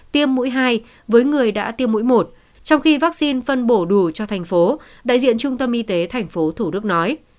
tiêm mũi hai với người đã tiêm mũi một trong khi vaccine phân bổ đủ cho thành phố đại diện trung tâm y tế tp thủ đức nói